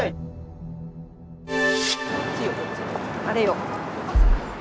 あれよ。